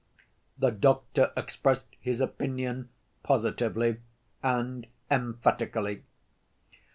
The doctor expressed his opinion positively and emphatically.